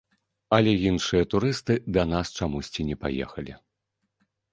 Але іншыя турысты да нас чамусьці не паехалі.